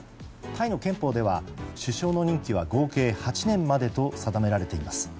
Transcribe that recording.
タイの憲法では首相の任期は合計８年までと定められています。